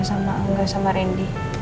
sama angga dan randy